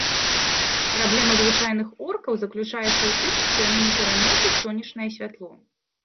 Праблема звычайных оркаў заключаецца ў тым, што яны не пераносяць сонечнае святло.